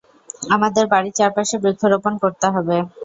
আমাদের বাড়ির চারপাশে বৃক্ষরোপণ করতে হবে।